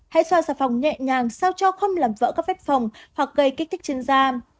hãy soa xà phòng nhẹ nhàng sao cho không làm vỡ các vết phòng hoặc gây kích thích trên da